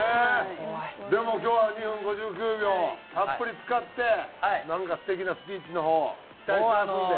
でも今日は２分５９秒たっぷり使ってなんか素敵なスピーチの方を期待してますんで。